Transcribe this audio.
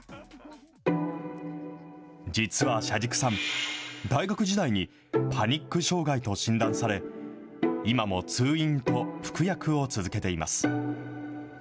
実は車軸さん、大学時代にパニック障害と診断され、今も通院と服薬を続けています。